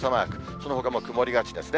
そのほかも曇りがちですね。